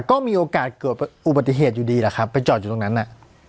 ก็มีโอกาสเกิดอุบัติเหตุอยู่ดีแหละครับไปจอดอยู่ตรงนั้นน่ะ